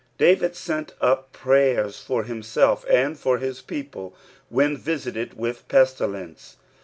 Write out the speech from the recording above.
David sent up prayers for himself and for his people when visited with the pestilence.